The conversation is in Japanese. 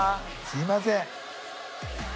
すいません。